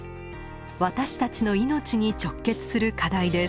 私たちの命に直結する課題です。